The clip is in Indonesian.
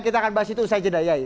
kita akan bahas itu usai jeda ya